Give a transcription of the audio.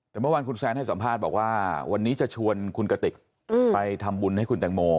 แต่เมื่อวานคุณแซนให้สัมภาษณ์บอกว่าวันนี้จะชวนคุณกติกไปทำบุญให้คุณแตงโม